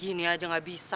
gini aja gak bisa